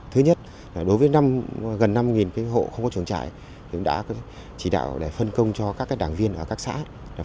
thứ nhất đối với gần năm hộ không có trường trại chúng tôi đã chỉ đạo để phân công cho các đảng viên ở các xã